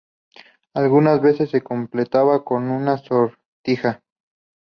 Algunas veces se completaba con una sortija.